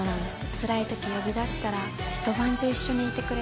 つらいとき呼び出したらひと晩中一緒にいてくれたり。